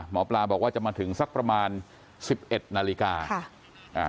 หมอปลาบอกว่าจะมาถึงสักประมาณ๑๑นาฬิกา